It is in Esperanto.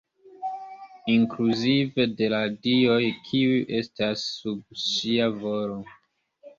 Inkluzive de la dioj kiuj estis sub ŝia volo.